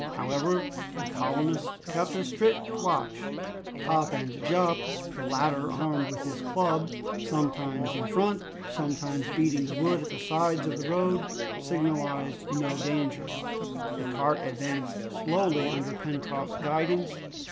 However, the colonists kept a strict watch. Top and Jup, the latter armed with his club, sometimes in front, sometimes beating the wood at the sides of the road, signalized no danger. The cart advanced slowly under Pencroft's guidance.